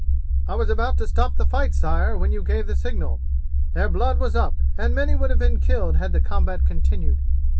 "I was about to stop the fight, sire, when you gave the signal. Their blood was up, and many would have been killed had the combat continued.